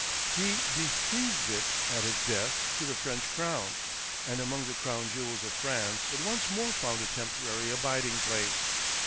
He bequeathed it, at his death, to the French Crown, and among the Crown jewels of France it once more found a temporary abiding place.